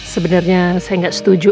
sebenernya saya gak setuju